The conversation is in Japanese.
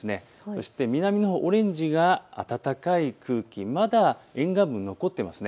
そして南のほう、オレンジが暖かい空気、まだ沿岸部残っています。